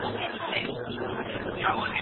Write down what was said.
په سِن پوخ وو زمانې وو آزمېیلی.